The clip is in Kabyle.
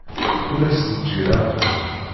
Ur as-teǧǧi leɛqel!